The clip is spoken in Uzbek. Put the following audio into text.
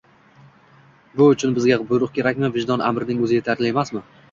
Bu uchun bizga buyruq kerakmi? Vijdon amrining o‘zi yetarli emasmi?